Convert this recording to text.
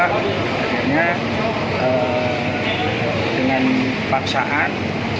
akhirnya dengan paksaan